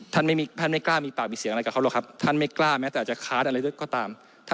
ท่านไม่กล้ามีปากมีเสียงอะไรกับเขาหรอกครับท่านไม่กล้าแม้แต่จะคาร์ดอะไรด้วยก็ตาม